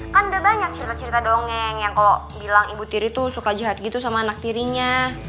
kan udah banyak cerita cerita dongeng yang kalau bilang ibu tiri tuh suka jahat gitu sama anak tirinya